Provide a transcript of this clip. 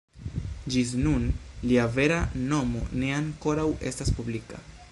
Ĝis nun, lia vera nomo ne ankoraŭ estas publika.